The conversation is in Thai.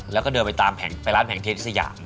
แล้วก็เดินไปตามไปร้านแผงเทสยาม